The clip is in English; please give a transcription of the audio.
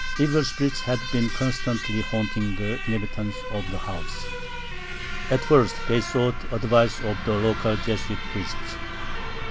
Evil spirits had been constantly haunting the inhabitants of the house. At first they sought advice of the local Jesuit priests.